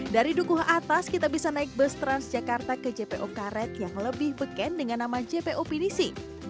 dari dukuh atas kita bisa naik bus transjakarta ke jpo karet yang lebih beken dengan nama jpo pinisi